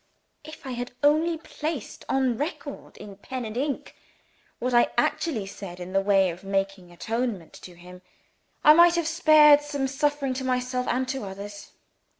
If I had only placed on record, in pen and ink, what I actually said in the way of making atonement to him, I might have spared some suffering to myself and to others.